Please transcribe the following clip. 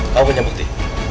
kamu punya bukti